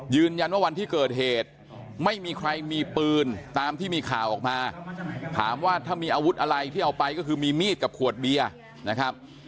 วันที่เกิดเหตุไม่มีใครมีปืนตามที่มีข่าวออกมาถามว่าถ้ามีอาวุธอะไรที่เอาไปก็คือมีมีดกับขวดเบียร์นะครับ